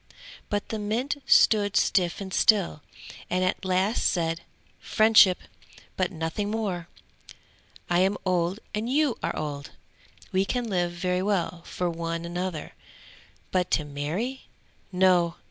But the mint stood stiff and still, and at last said: "Friendship but nothing more! I am old and you are old! We can live very well for one another, but to marry? No!